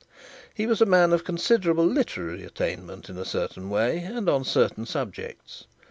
He was a man of considerable literary attainment in a certain way and on certain subjects.